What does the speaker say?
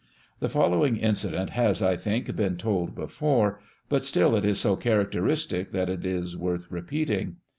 The following incident has I think been told before, but still it is so characteristic that it is worth repeating.